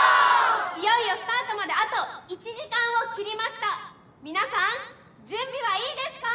いよいよスタートまであと１時間を切りました皆さん準備はいいですか？